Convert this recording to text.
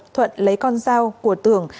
thuận lấy con dao của tưởng